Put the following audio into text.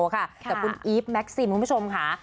กับคุณอีฟแม็กซิมคุณผู้ชมค่ะ